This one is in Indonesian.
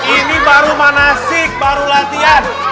ini baru manasik baru latihan